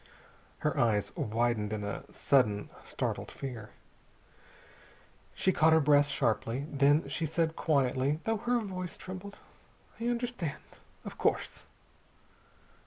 Her eyes widened in a sudden startled fear. She caught her breath sharply. Then she said quietly, though her voice trembled: "I understand. Of course."